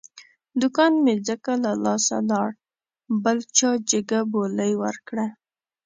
دوکان مې ځکه له لاسه لاړ، بل چا جگه بولۍ ور کړه.